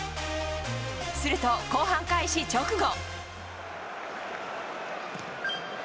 すると、後半開始直後。